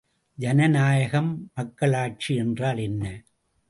ஜனநாயகம் மக்களாட்சி என்றால் என்ன?